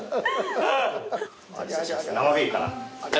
生ビールから。